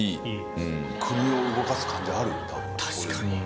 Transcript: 確かに。